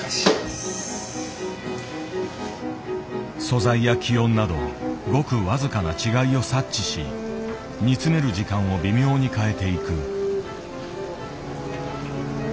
素材や気温などごく僅かな違いを察知し煮詰める時間を微妙に変えていく。